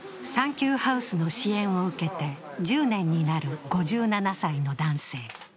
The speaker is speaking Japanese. きゅうハウスの支援を受けて１０年になる５７歳の男性。